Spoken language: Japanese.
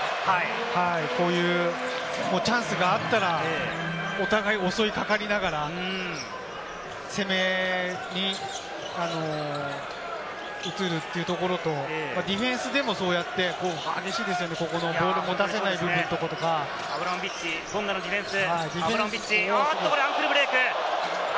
こういうチャンスがあったら、お互い襲いかかりながら、攻めに移るというところと、ディフェンスでもそうやって激しいですよね、ここのボールを持たせないところとか。アブラモビッチ、ボンガのディフェンス。